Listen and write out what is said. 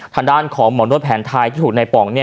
ทางด้านของหมอนวดแผนทายที่ก็ถูกฟังแบบว่าเนี่ย